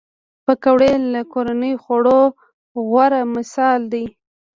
پکورې له کورني خوړو غوره مثال دی